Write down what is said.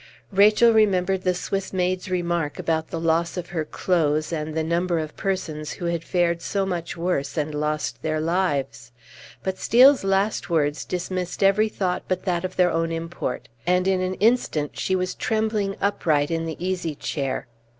Rachel remembered the Swiss maid's remark about the loss of her clothes and the number of persons who had fared so much worse and lost their lives. But Steel's last words dismissed every thought but that of their own import. And in an instant she was trembling upright in the easy chair.